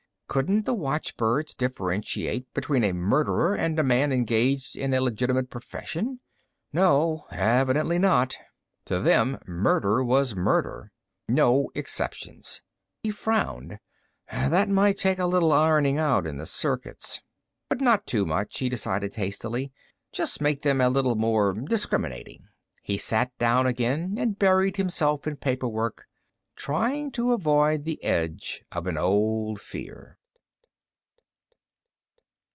Couldn't the watchbirds differentiate between a murderer and a man engaged in a legitimate profession? No, evidently not. To them, murder was murder. No exceptions. He frowned. That might take a little ironing out in the circuits. But not too much, he decided hastily. Just make them a little more discriminating. He sat down again and buried himself in paperwork, trying to avoid the edge of an old fear.